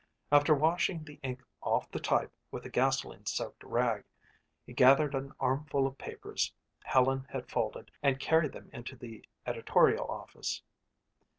After washing the ink off the type with a gasoline soaked rag, he gathered an armful of papers Helen had folded and carried them into the editorial office.